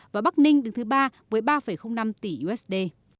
và bắc ninh đứng thứ ba với ba năm tỷ usd